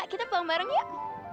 kita pulang bareng yuk